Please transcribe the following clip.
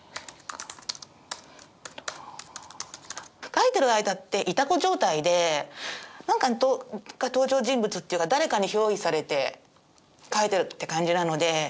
書いてる間ってイタコ状態で何か登場人物っていうか誰かにひょう依されて書いてるって感じなので。